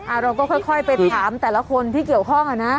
เราก็ค่อยไปถามแต่ละคนที่เกี่ยวข้องอ่ะนะ